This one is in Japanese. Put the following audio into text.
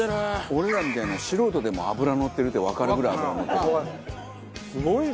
俺らみたいな素人でも脂のってるってわかるぐらい脂のってるもんね。